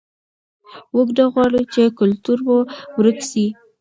موږ نه غواړو چې کلتور مو ورک سي.